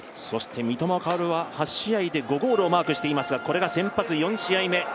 三笘薫は８試合で５ゴールをマークしていますがこれが先発４試合目。